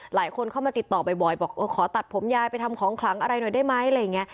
หลายคนเข้ามาติดต่อบ่อยบอกขอตัดผมยายไปทำของขลังอะไรหน่อยได้ไหมอะไรอย่างนี้